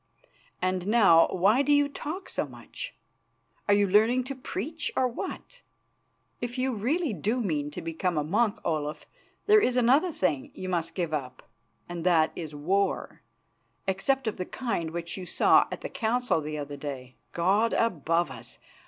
And now why do you talk so much? Are you learning to preach, or what? If you really do mean to become a monk, Olaf, there is another thing you must give up, and that is war, except of the kind which you saw at the Council the other day. God above us!